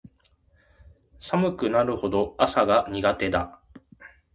寒くなると朝が苦手だ